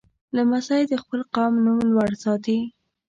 لمسی د خپل قوم نوم لوړ ساتي.